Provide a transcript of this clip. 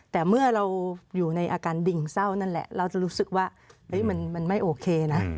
แต่เมื่อเราอยู่ในอาการดิ่งเศร้านั่นแหละเราจะรู้สึกว่ามันไม่โอเคนะ